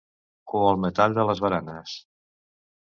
O el metall de les baranes.